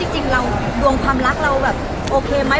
จริงเราดวงความรักเราแบบโอเคไหม